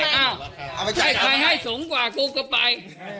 อยากเอาเท่าไรเอาไข่ใครให้สูงกว่ากูก็ไป